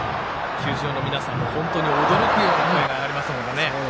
球場の皆さんも本当に驚くような声が上がります。